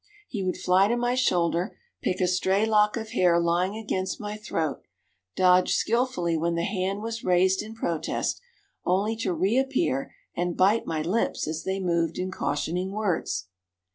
He would fly to my shoulder, pull a stray lock of hair lying against my throat, dodge skillfully when the hand was raised in protest, only to reappear and bite my lips as they moved in cautioning words.